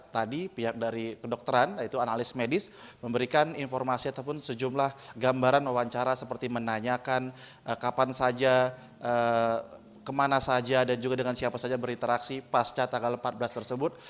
tadi pihak dari kedokteran yaitu analis medis memberikan informasi ataupun sejumlah gambaran wawancara seperti menanyakan kapan saja kemana saja dan juga dengan siapa saja berinteraksi pasca tanggal empat belas tersebut